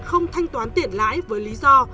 không thanh toán tiền lãi với lý do